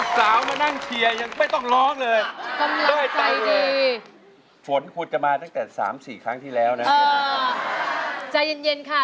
ตัวช่วยครับจะใช้หรือไม่ใช้ครับ